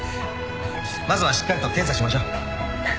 まずはしっかりと検査しましょう。